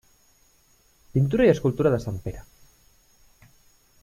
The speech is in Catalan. Pintura i escultura de Sant Pere.